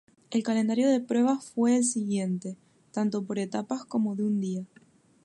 El calendario de pruebas fue el siguiente, tanto por etapas como de un día.